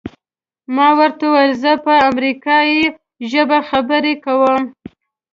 ما ورته وویل زه په امریکایي ژبه خبرې کوم.